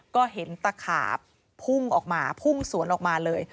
ก็เห็นตะขาบพุ่งออกมาพุ่งสวนออกมาเลย